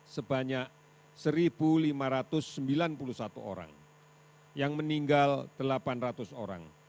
sebanyak satu lima ratus sembilan puluh satu orang yang meninggal delapan ratus orang